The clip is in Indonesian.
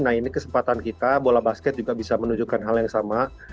nah ini kesempatan kita bola basket juga bisa menunjukkan hal yang sama